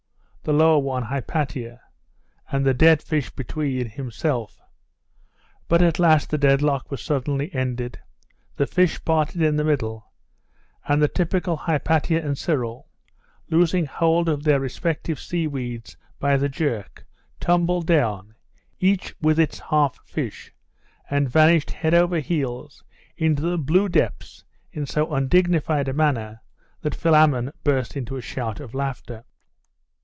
the lower one Hypatia? and the dead fish between, himself?.... But at last the deadlock was suddenly ended the fish parted in the middle; and the typical Hypatia and Cyril, losing hold of their respective seaweeds by the jerk, tumbled down, each with its half fish, and vanished head over heels into the blue depths in so undignified a manner, that Philammon burst into a shout of laughter.